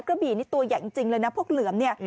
กระบี่นี่ตัวใหญ่จริงเลยนะพวกเหลือมเนี่ย